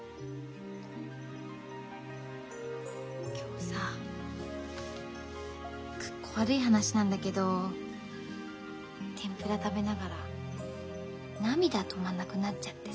今日さかっこ悪い話なんだけど天ぷら食べながら涙止まんなくなっちゃってさ。